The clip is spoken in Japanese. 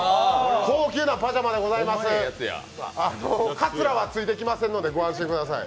かつらはついてきませんのでご安心ください。